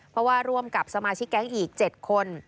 เพราะว่าร่วมกับสมาชิกแก๊งอีก๗คน